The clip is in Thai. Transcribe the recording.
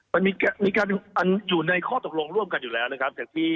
มันมีการอยู่ในข้อตกลงร่วมกันอยู่แล้วนะครับ